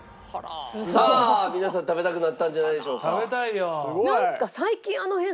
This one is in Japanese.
さあ皆さん食べたくなったんじゃないでしょうか？